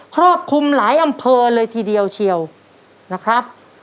ครอบคลุมหลายอำเภอเลยทีเดียวเชียวนะครับ